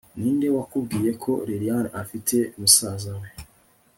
ninde wakubwiye ko lilian afite musaza we!